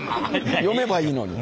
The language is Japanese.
読めばいいのに。